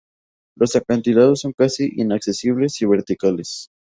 Los acantilados son casi inaccesibles y verticales.